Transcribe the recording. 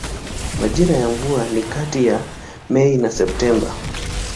Majira ya mvua ni kati ya Mei na Septemba.